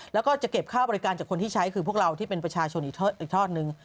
แล้วก็จะเก็บค่าบริการจากคนที่ใช้คือพวกเราที่เป็นประชาชนอีกทอดนึง